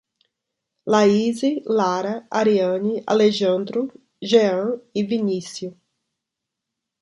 Laíse, Lara, Ariane, Alejandro, Gean e Vinício